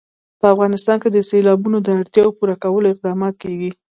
په افغانستان کې د سیلابونو د اړتیاوو پوره کولو اقدامات کېږي.